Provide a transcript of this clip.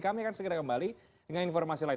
kami akan segera kembali dengan informasi lain